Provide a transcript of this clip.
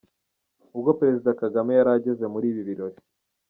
Ubwo Perezida Kagame yari ageze muri ibi birori.